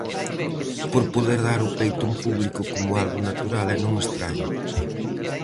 Por poder dar o peito en público como algo natural e non estraño.